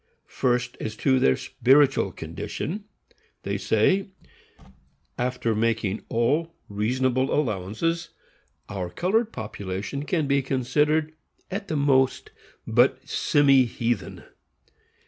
First, as to their spiritual condition, they say: After making all reasonable allowances, our colored population can be considered, at the most, but semi heathen.